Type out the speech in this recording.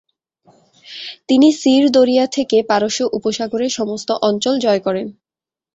তিনি সির দরিয়া থেকে পারস্য উপসাগরের সমস্ত অঞ্চল জয় করেন।